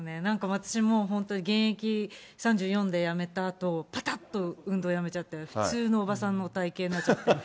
私もう本当に現役３４で辞めたあと、ぱたっと運動やめちゃって、普通のおばさんの体形になっちゃって。